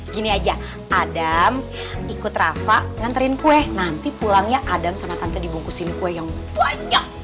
gini aja adam ikut rafa nganterin kue nanti pulangnya adam sama tante dibungkusin kue yang banyak